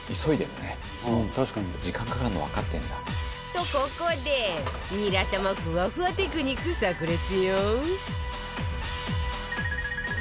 とここでニラ玉ふわふわテクニック炸裂よ！